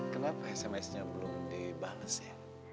kenapa sms nya belum dibales ya